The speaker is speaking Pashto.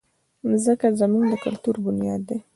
مځکه زموږ د کلتور بنیاد ده.